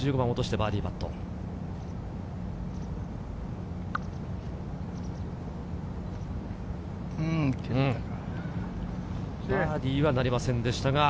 バーディーはなりませんでした。